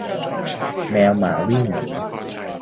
แมวมาหมาวิ่งหนี